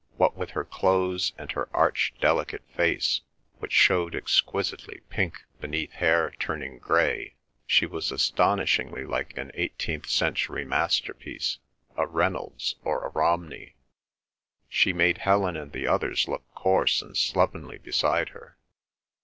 What with her clothes, and her arch delicate face, which showed exquisitely pink beneath hair turning grey, she was astonishingly like an eighteenth century masterpiece—a Reynolds or a Romney. She made Helen and the others look coarse and slovenly beside her.